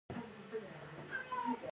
دا کار سیستم خوندي ساتي.